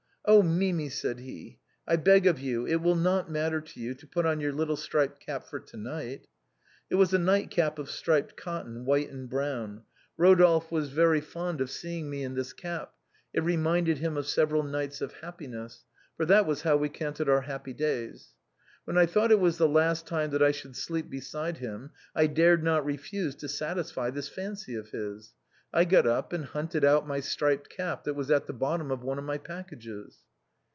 'Oh! Mimi,' said he, * I beg of you, it will not matter to you, to put on your little striped cap for to night.' It was a night cap of striped cotton, white and brown. Eodolphe was very 280 THE BOHEMIANS OF THE LATIN QUARTER. fond of seeing me in this cap, it reminded him of several nights of happiness, for that was how we counted our happy days. When I thought it was the last time that I should sleep beside him I dared not refuse to satisfy this fancy of his. I got up and hunted out my striped cap that was at the bottom of one of my packages.